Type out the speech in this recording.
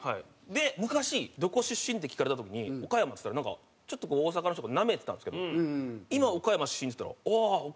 で昔「どこ出身？」って聞かれた時に「岡山」っつったらなんかちょっと大阪の人とかなめてたんですけど今「岡山出身」って言ったら「ああ岡山」ってなるんですよ。